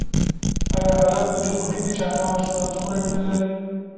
ایا هلک په دې پوهېږي چې انا ورسره څومره مینه لري؟